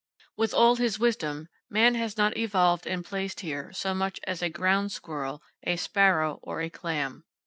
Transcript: With all his wisdom, man has not evolved and placed here so much as a ground squirrel, a sparrow or a clam.